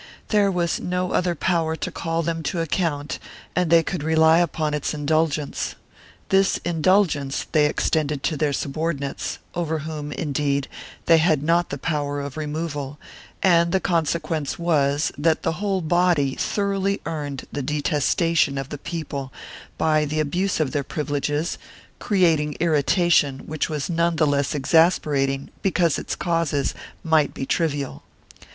There was no other power to call them to account and they could rely upon its indulgence. This indulgence they ex tended to their subordinates, over whom, indeed, they had not the power of removal, and the consequence was that the whole body thoroughly earned the detestation of the people by the abuse of their privileges,' creating irritation which was none the less exasperating because its causes might be trivial.